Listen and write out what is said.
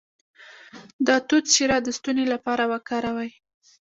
د توت شیره د ستوني لپاره وکاروئ